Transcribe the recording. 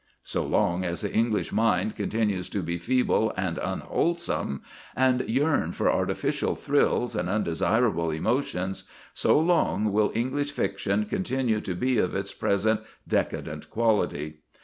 So long as the English mind continues to be feeble and unwholesome, and to yearn for artificial thrills and undesirable emotions, so long will English fiction continue to be of its present decadent quality.